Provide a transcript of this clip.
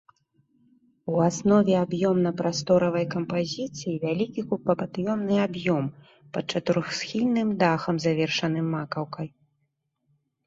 У аснове аб'ёмна-прасторавай кампазіцыі вялікі кубападобны аб'ём пад чатырохсхільным дахам, завершаным макаўкай.